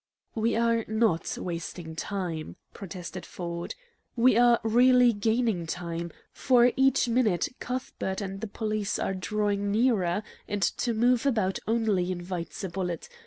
"We are NOT wasting time," protested Ford; "we are really gaining time, for each minute Cuthbert and the police are drawing nearer, and to move about only invites a bullet.